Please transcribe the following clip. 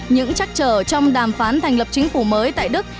những trắc trở trong đàm phán thành lập chính phủ mới tại đức